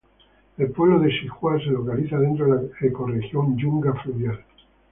El pueblo de Sihuas se localiza dentro de la ecorregión Yunga fluvial.